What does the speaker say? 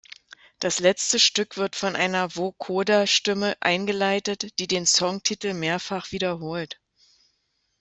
Das letzte Stück wird von einer Vocoder-Stimme eingeleitet, die den Songtitel mehrfach wiederholt.